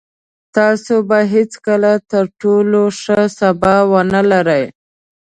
تاسو به هېڅکله تر ټولو ښه سبا ونلرئ.